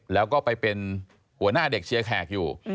แล้วก็ไปเป็นหัวหน้าเด็กเชียร์แขกอยู่